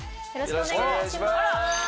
よろしくお願いします。